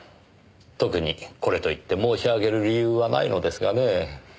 特にこれといって申し上げる理由はないのですがねぇ。